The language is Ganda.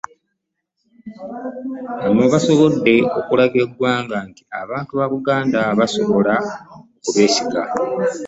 “Bano basobodde okulaga eggwanga nti abantu ba Buganda basobola okubeesiga"